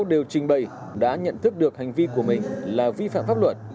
tất cả hai mươi chín bị cáo đều trình bày đã nhận thức được hành vi của mình là vi phạm pháp luật